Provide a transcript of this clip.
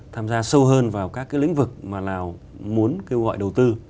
tham gia sâu hơn vào các cái lĩnh vực mà lào muốn kêu gọi đầu tư